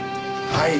はい。